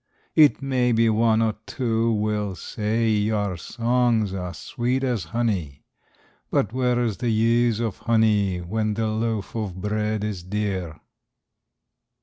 It may be one or two will say your songs are sweet as honey, But where's the use of honey, when the loaf of bread is dear?